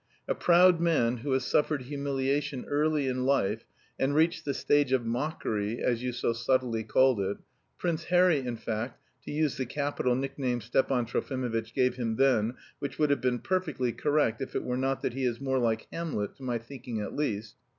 A proud man who has suffered humiliation early in life and reached the stage of 'mockery' as you so subtly called it Prince Harry, in fact, to use the capital nickname Stepan Trofimovitch gave him then, which would have been perfectly correct if it were not that he is more like Hamlet, to my thinking at least."